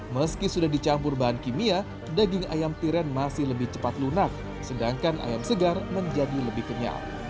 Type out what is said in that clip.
meski sudah dicampur bahan kimia daging ayam tiren masih lebih cepat lunak sedangkan ayam segar menjadi lebih kenyal